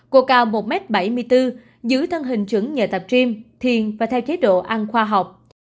cô cao một m bảy mươi bốn giữ thân hình chứng nhờ tập trim thiền và theo chế độ ăn khoa học